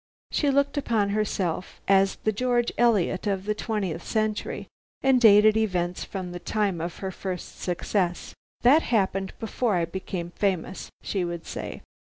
She looked upon herself as the George Eliot of the twentieth century, and dated events from the time of her first success. "That happened before I became famous," she would say.